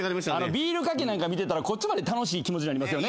ビールかけ見てたらこっちまで楽しい気持ちになりますよね。